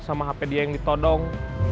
sama hp dia yang ditodong